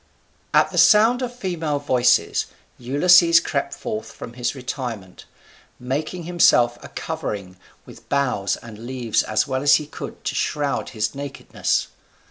] At the sound of female voices Ulysses crept forth from his retirement, making himself a covering with boughs and leaves as well as he could to shroud his nakedness.